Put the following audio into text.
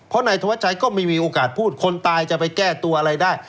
เพราะนายธวัชชัยก็ไม่มีโอกาสพูดคนตายจะไปแก้ตัวอะไรได้